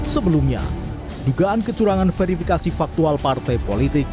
sebelumnya dugaan kecurangan verifikasi faktual partai politik